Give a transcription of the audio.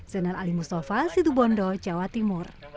sener ali mustafa situ bondo jawa tenggara